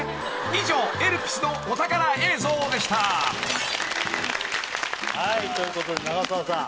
［以上『エルピス』のお宝映像でした］ということで長澤さん。